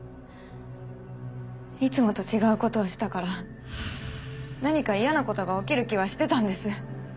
いつもと違う事をしたから何か嫌な事が起きる気はしてたんです。